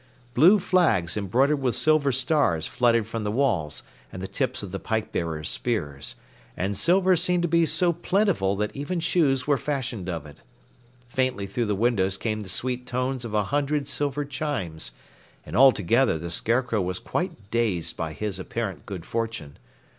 Blue flags embroidered with silver stars fluttered from the walls and the tips of the pikebearers' spears, and silver seemed to be so plentiful that even shoes were fashioned of it. Faintly through the windows came the sweet tones of a hundred silver chimes, and altogether the Scarecrow was quite dazed by his apparent good fortune.